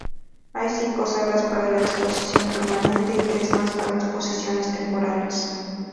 Hay cinco salas para la exposición permanente y tres más para exposiciones temporales.